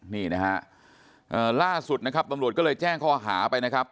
นี่นะฮะล่าสุดนะครับตำรวจก็เลยแจ้งข้อหาไปนะครับ